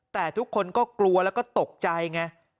แต่ทุกคนก็กลัวแล้วก็ตกใจไง